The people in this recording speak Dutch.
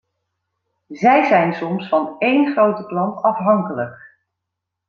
Zij zijn soms van een grote klant afhankelijk.